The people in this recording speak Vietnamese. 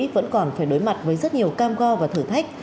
vẫn còn phải đối mặt với rất nhiều cam go và thử thách